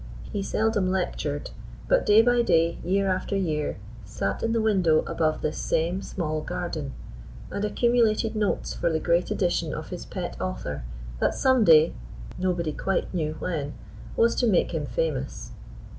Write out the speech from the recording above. He seldom lectured; but day by day, year after year, sat in the window above this same small garden, and accumulated notes for the great edition of his pet author that some day nobody quite knew when was to make him famous.